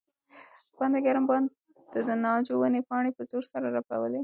باندې ګرم باد د ناجو ونې پاڼې په زور سره رپولې.